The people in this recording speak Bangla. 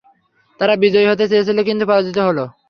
তারা বিজয়ী হতে চেয়েছিল, কিন্তু পরাজিত হল।